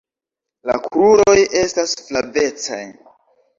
La kruroj estas flavecaj.